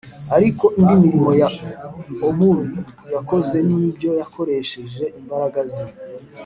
Ariko indi mirimo ya Omuri yakoze n’ibyo yakoresheje imbaraga ze